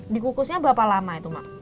dikukusnya berapa lama mak